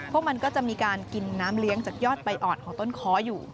มันก็จะมีการกินน้ำเลี้ยงจากยอดใบอ่อนของต้นค้ออยู่